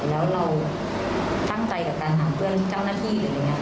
แล้วตั้งใจกับการหาเพื่อนเจ้าหน้าที่